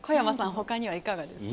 他にはいかがですか？